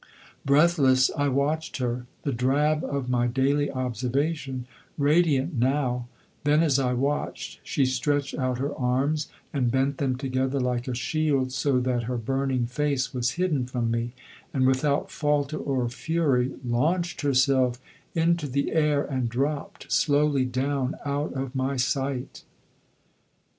Breathless I watched her, the drab of my daily observation, radiant now; then as I watched she stretched out her arms and bent them together like a shield so that her burning face was hidden from me, and without falter or fury launched herself into the air, and dropt slowly down out of my sight.